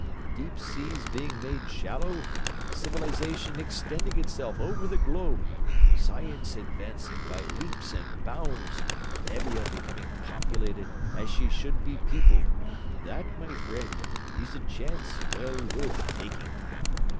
Deep seas being made shallow, civilization extending itself over the globe, science advancing by leaps and bounds, Nevia becoming populated as she should be peopled that, my friend, is a chance well worth taking!"